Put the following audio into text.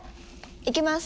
いきます。